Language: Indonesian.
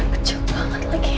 kejauh banget lagi